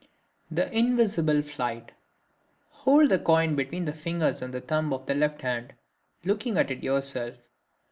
The Invisible Flight.—Hold the coin between the fingers and thumb of the left hand, looking at it yourself.